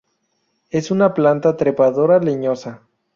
Es una planta trepadora leñosa.